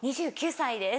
２９歳です。